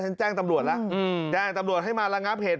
ฉันแจ้งตำรวจล่ะอืมแจ้งตำรวจให้มาระงับเหตุ